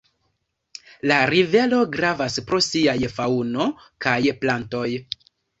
La rivero gravas pro siaj faŭno kaj plantoj.